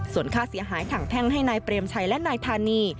ส่วนค่าเสียหายถังแพ่งให้นายเปรมชัยและนายธานี